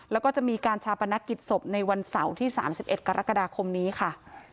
แล้วก็จะมีการชาปนกิจศพในวันเสาร์ที่๓๑กรกฎาคมนี้ค่ะ